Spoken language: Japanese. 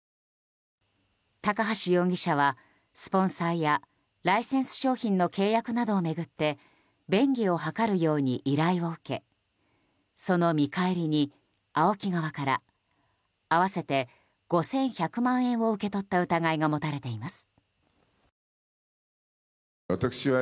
高橋容疑者は、スポンサーやライセンス商品の契約などを巡って便宜を図るように依頼を受けその見返りに、ＡＯＫＩ側から合わせて５１００万円を受け取った疑いが持たれています。